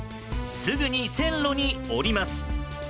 すぐに線路に降ります。